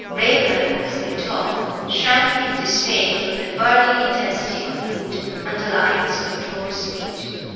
Raeburn, as they talked, shrank in dismay from the burning intensity of mood underlying his controlled speech.